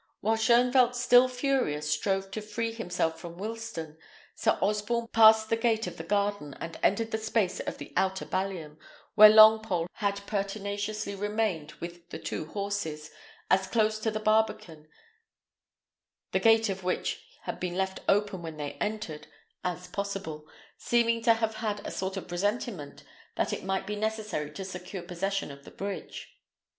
While Shoenvelt, still furious, strove to free himself from Wilsten, Sir Osborne passed the gate of the garden, and entered the space of the outer ballium, where Longpole had pertinaciously remained with the two horses, as close to the barbican, the gate of which had been left open when they entered, as possible, seeming to have had a sort of presentiment that it might be necessary to secure possession of the bridge.